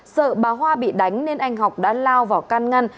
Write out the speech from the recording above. sợ bà hoa bị đánh nên anh học đã lao vào can ngăn